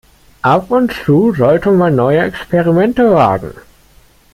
Ab und zu sollte man neue Experimente wagen.